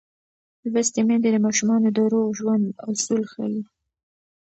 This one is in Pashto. لوستې میندې د ماشومانو د روغ ژوند اصول ښيي.